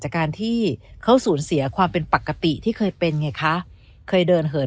จากการที่เขาสูญเสียความเป็นปกติที่เคยเป็นไงคะเคยเดินเหิน